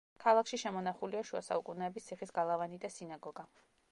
ქალაქში შემონახულია შუა საუკუნეების ციხის გალავანი და სინაგოგა.